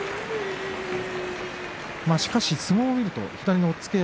しかし相撲を見ますと左の押っつけ。